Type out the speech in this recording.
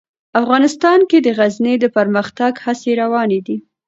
افغانستان کې د غزني د پرمختګ هڅې روانې دي.